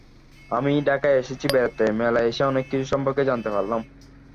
আমি ঢাকায় এসেছি বেড়াতে, মেলায় এসে অনেক কিছু সম্পর্কে জানতে পারলাম।